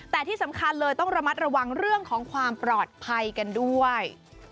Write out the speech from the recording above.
แต่ที่สำคัญเลยต้องระมัดระวังเรื่องของความปลอดภัยกันด้วย